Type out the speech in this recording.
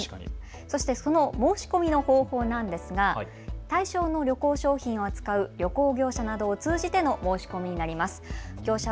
その申し込みの方法ですが対象の旅行商品を扱う旅行業者などを通じての申し込みになります。